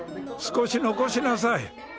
少し残しなさい。